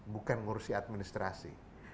bukan ngurusi administrasi